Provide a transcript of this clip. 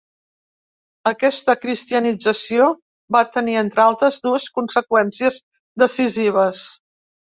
Aquesta cristianització va tenir, entre altres, dues conseqüències decisives.